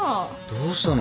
どうしたの？